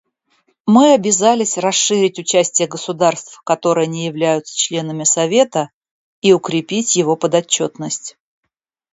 Мы обязались расширить участие государств, которые не являются членами Совета, и укрепить его подотчетность.